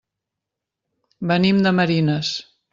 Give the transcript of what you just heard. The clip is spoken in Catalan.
Venim de Marines.